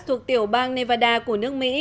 thuộc tiểu bang nevada của nước mỹ